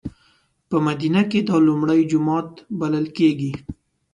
په مدینه کې دا لومړی جومات بللی کېږي.